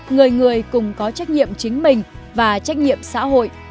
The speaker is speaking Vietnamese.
người người cùng có trách nhiệm chính mình và trách nhiệm xã hội